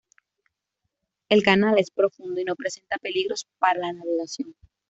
El canal es profundo y no presenta peligros para la navegación.